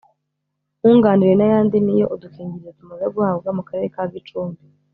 Nkunganire n’ayandi niyo udukingirizo tumaze guhabwa mu Karere ka Gicumbi